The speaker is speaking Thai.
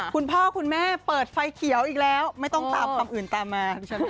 คุณพ่อคุณแม่เปิดไฟเขียวอีกแล้วไม่ต้องตามคำอื่นตามมา